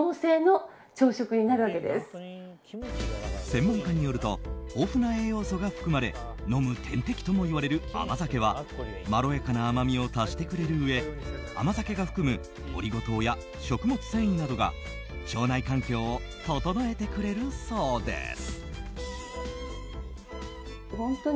専門家によると豊富な栄養素が含まれ飲む点滴とも言われる甘酒はまろやかな甘みを足してくれるうえ甘酒が含むオリゴ糖や食物繊維などが腸内環境を整えてくれるそうです。